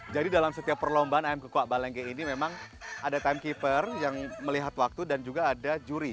jadi dalam setiap perlombaan ayam kukuak balenge ini memang ada timekeeper yang melihat waktu dan juga ada juri